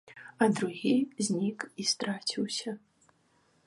А другі знік і страціўся.